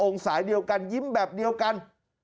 สายเดียวกันยิ้มแบบเดียวกัน